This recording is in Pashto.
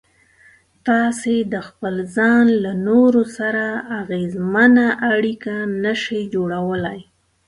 تاسې د خپل ځان له نورو سره اغېزمنه اړيکه نشئ جوړولای.